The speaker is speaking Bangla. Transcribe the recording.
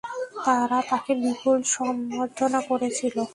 তারা তাঁকে বিপুল সম্বর্ধনা করেছিল।